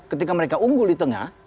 ketika mereka unggul di tengah